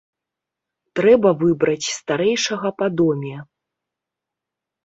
Трэба выбраць старэйшага па доме.